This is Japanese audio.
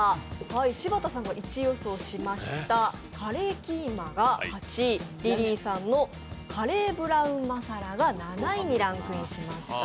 柴田さんが１位予想しましたカレーキーマが８位、リリーさんのカレーブラウンマサラが７位にランクインしました。